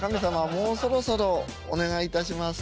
もうそろそろお願いいたします。